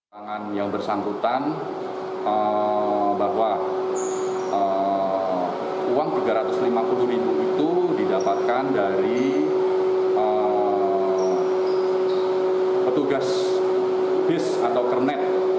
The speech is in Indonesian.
keterangan yang bersangkutan bahwa uang rp tiga ratus lima puluh itu didapatkan dari petugas bis atau kernet